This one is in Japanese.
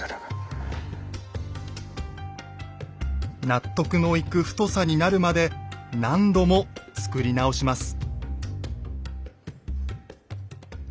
納得のいく太さになるまで何度も作り直します。